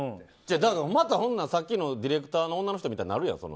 だから、またさっきのディレクターの女の人みたいになるやん。